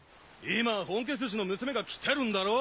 今本家筋の娘が来てるんだろ？